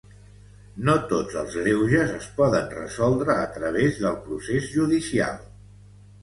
No tots els greuges es poden resoldre a través del procés judicial.